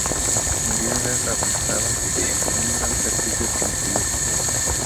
Murió a edad avanzada, con un gran prestigio como filósofo.